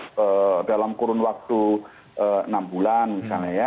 masih cukup dalam kurun waktu enam bulan misalnya ya